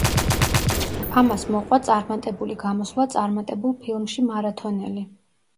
ამას მოყვა წარმატებული გამოსვლა წარმატებულ ფილმში „მარათონელი“.